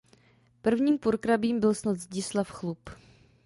Prvním purkrabím byl snad Zdislav Chlup.